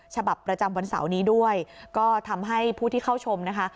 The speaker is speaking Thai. ฉบับประจำวันเสาร์นี้ด้วยก็ทำให้ผู้ที่เข้าชมนะคะ